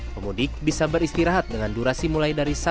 pemudik bisa beristirahat dengan durasi mulai dari